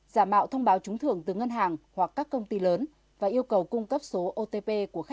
giả mạo thông báo trúng thưởng từ ngân hàng hoặc các công ty lớn và yêu cầu cung cấp số otp của khách